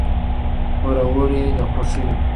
پوروړې د خوښیو